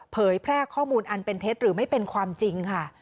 เผยแพร่ข้อมูลอันเป็นเท็จหรือไม่เป็นความจริงค่ะ